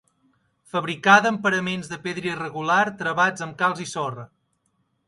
Fabricada amb paraments de pedra irregular travats amb calç i sorra.